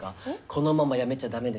このままやめちゃダメですよ。